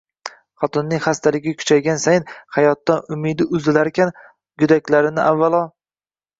Xotinining xasgaligi kuchaygan sayin, hayotdan umidi uzilarkan, go'daklarni avvalo